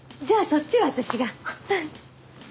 じゃあそっちは私が。